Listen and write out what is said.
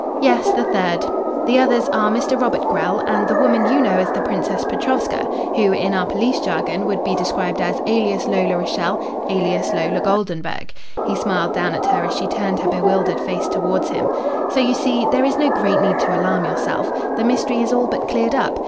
"Yes, the third. The others are Mr. Robert Grell and the woman you know as the Princess Petrovska, who in our police jargon would be described as alias Lola Rachael, alias Lola Goldenburg." He smiled down at her as she turned her bewildered face towards him. "So you see, there is no great need to alarm yourself. The mystery is all but cleared up.